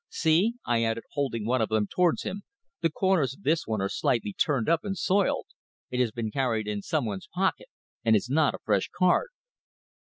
See!" I added, holding one of them towards him, "the corners of this one are slightly turned up and soiled. It has been carried in some one's pocket, and is not a fresh card."